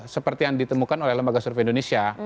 seperti yang ditemukan oleh lembaga survei indonesia